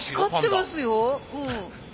光ってますようん。